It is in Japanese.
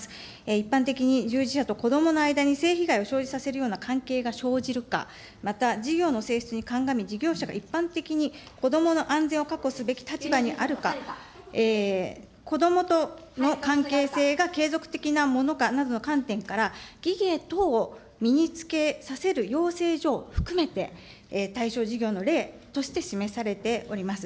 一般的に従事者と子どもの間に性被害を生じさせるような関係が生じるか、また事業の性質に鑑み、事業者が一般的に子どもの安全を確保すべき立場にあるか、子どもとの関係性が継続的なものかなどの観点から、技芸等を身につけさせる養成所を含めて、対象事業の例として示されております。